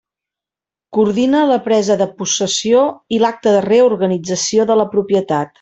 Coordina la presa de possessió i l'acta de reorganització de la propietat.